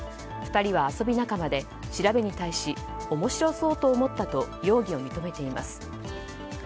２人は遊び仲間で調べに対し面白そうと思ったと容疑を認めています。